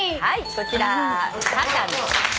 はいこちら。